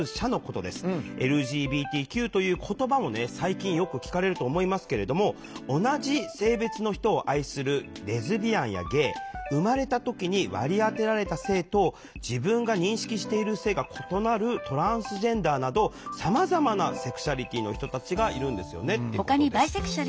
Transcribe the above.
ＬＧＢＴＱという言葉もね最近よく聞かれると思いますけれども同じ性別の人を愛するレズビアンやゲイ生まれた時に割り当てられた性と自分が認識している性が異なるトランスジェンダーなどさまざまなセクシュアリティーの人たちがいるんですよねっていうことです。